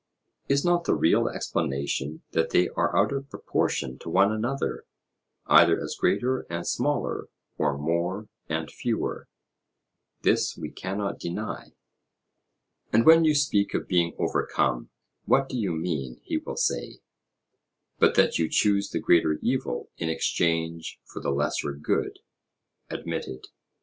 Is not the real explanation that they are out of proportion to one another, either as greater and smaller, or more and fewer? This we cannot deny. And when you speak of being overcome 'what do you mean,' he will say, 'but that you choose the greater evil in exchange for the lesser good?' Admitted.